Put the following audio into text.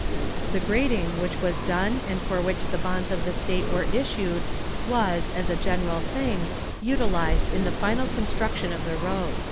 The grading which was done and for which the bonds of the state were issued was, as a general thing, utilized in the final construction of the roads.